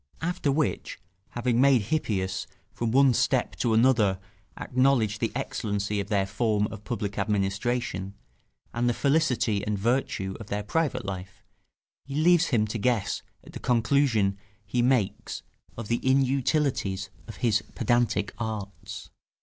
After which, having made Hippias from one step to another acknowledge the excellency of their form of public administration, and the felicity and virtue of their private life, he leaves him to guess at the conclusion he makes of the inutilities of his pedantic arts.